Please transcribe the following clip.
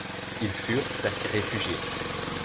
Ils furent à s'y réfugier.